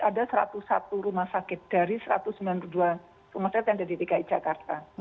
ada satu ratus satu rumah sakit dari satu ratus sembilan puluh dua rumah sakit yang ada di dki jakarta